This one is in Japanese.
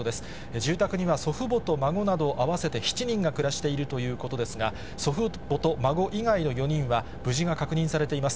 住宅には祖父母と孫など、合わせて７人が暮らしているということですが、祖父母と孫以外の４人は無事が確認されています。